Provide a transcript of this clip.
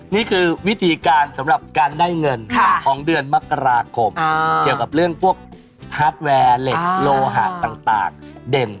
นี่คือวิธีการสำหรับการได้เงินของเดือนมกราคมเกี่ยวกับเรื่องพวกฮาร์ดแวร์เหล็กโลหะต่างเด่น